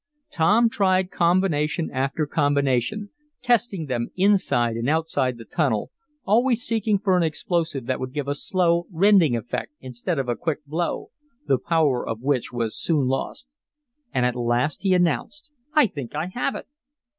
Tom tried combination after combination, testing them inside and outside the tunnel, always seeking for an explosive that would give a slow, rending effect instead of a quick blow, the power of which was soon lost. And at last he announced: "I think I have it!"